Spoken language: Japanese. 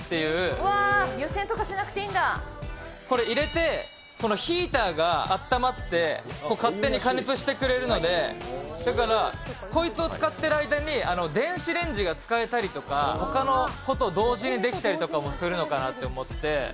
うわー、湯せんとかしなくてこれ、入れて、このヒーターがあったまって、勝手に加熱してくれるので、だから、こいつを使っている間に、電子レンジが使えたりとか、ほかのことを同時にできたりとかするのかなと思って。